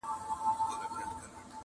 څومره دي لا وګالو زخمونه د پېړیو-